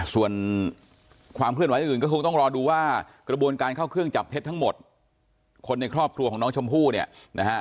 ส่วนความเคลื่อนไหวอื่นก็คงต้องรอดูว่ากระบวนการเข้าเครื่องจับเท็จทั้งหมดคนในครอบครัวของน้องชมพู่เนี่ยนะฮะ